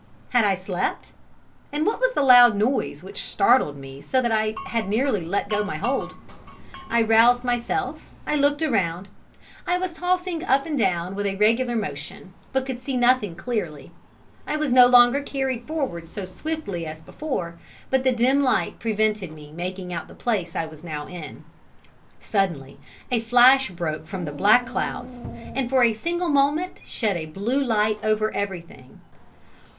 Had I slept? And what was the loud noise which startled me so that I had nearly let go my hold? I roused myself I looked around I was tossing up and down with a regular motion, but could see nothing clearly, I was no longer carried forward so swiftly as before, but the dim light prevented me making out the place I was now in. Suddenly, a flash broke from the black clouds, and for a single moment shed a blue light over everything.